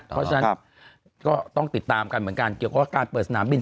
เพราะฉะนั้นก็ต้องติดตามกันเหมือนกันเกี่ยวกับการเปิดสนามบิน